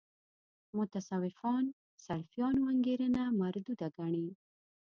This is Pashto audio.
متصوفان سلفیانو انګېرنه مردوده ګڼي.